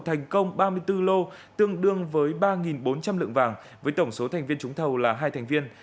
thành công ba mươi bốn lô tương đương với ba bốn trăm linh lượng vàng với tổng số thành viên trúng thầu là hai thành viên